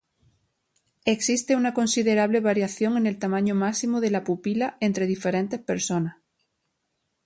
Existe una considerable variación en el tamaño máximo de la pupila entre diferentes personas.